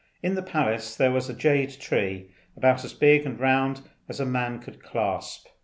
In the palace there was a jade tree, about as big round as a man could clasp.